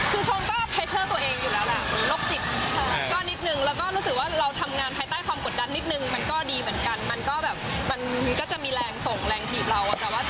คือชมก็เพชเชอร์ตัวเองอยู่แล้วแหละ